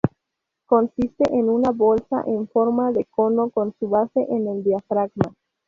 Consiste en una bolsa en forma de cono con su base en el diafragma.